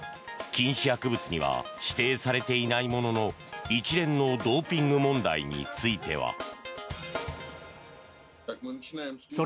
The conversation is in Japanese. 禁止薬物には指定されていないものの一連のドーピング問題については。